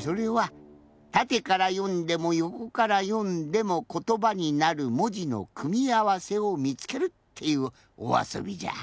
それはたてからよんでもよこからよんでもことばになるもじのくみあわせをみつけるっていうおあそびじゃ。